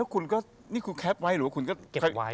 คุณแคปไว้หรือว่าคุณก็เก็บไว้